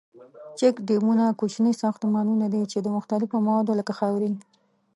چیک ډیمونه کوچني ساختمانونه دي ،چې د مختلفو موادو لکه خاورین.